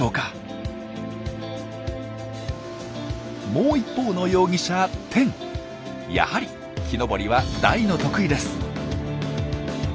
もう一方の容疑者やはり木登りは大の得意です。